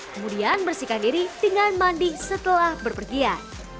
kemudian bersihkan diri dengan mandi setelah berpergian